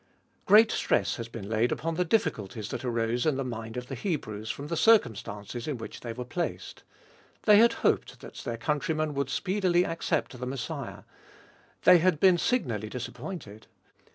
Great stress has been laid upon the difficulties that arose in the mind of the Hebrews from the circumstances in which they were placed. They had hoped that their countrymen would speedily accept the Messiah: they had been signally disappointed.